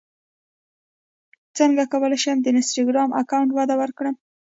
څنګه کولی شم د انسټاګرام اکاونټ وده ورکړم